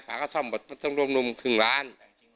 เขาเอาหมดเพราะต้องรวมนุมครึ่งล้าน